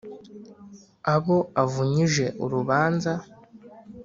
abo avunyije urubanza,